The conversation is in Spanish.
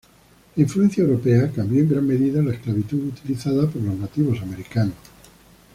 La influencia europea cambió en gran medida la esclavitud utilizada por los nativos americanos.